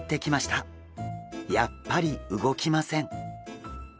やっぱり動きません！